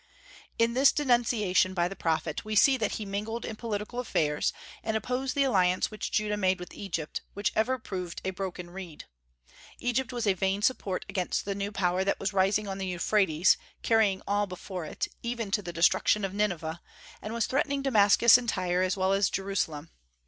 In this denunciation by the prophet we see that he mingled in political affairs, and opposed the alliance which Judah made with Egypt, which ever proved a broken reed. Egypt was a vain support against the new power that was rising on the Euphrates, carrying all before it, even to the destruction of Nineveh, and was threatening Damascus and Tyre as well as Jerusalem.